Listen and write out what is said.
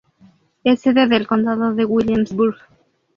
Es sede del condado de Williamsburg.